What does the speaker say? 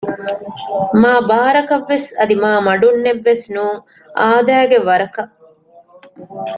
މާބާރަކަށްވެސް އަދި މާމަޑުންނެއް ވެސް ނޫން އާދައިގެ ވަރަކަށް